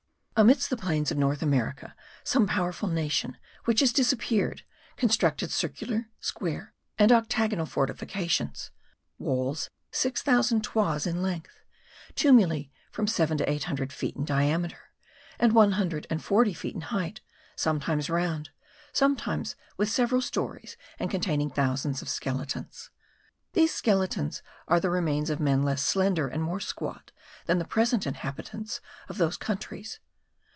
Amidst the plains of North America, some powerful nation, which has disappeared, constructed circular, square, and octagonal fortifications; walls six thousand toises in length; tumuli from seven to eight hundred feet in diameter, and one hundred and forty feet in height, sometimes round, sometimes with several stories and containing thousands of skeletons. These skeletons are the remains of men less slender and more squat than the present inhabitants of those countries.